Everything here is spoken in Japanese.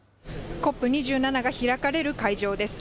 ＣＯＰ２７が開かれる会場です。